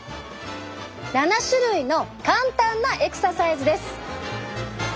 ７種類の簡単なエクササイズです！